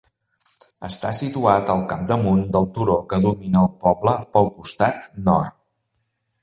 Està situat al capdamunt del turó que domina el poble pel costat nord.